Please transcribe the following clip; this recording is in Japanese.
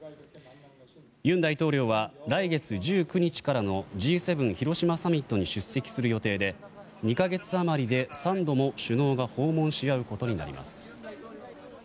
尹大統領は来月１９日からのＧ７広島サミットに出席する予定で２か月余りで３度も首脳が訪問し合うことになります。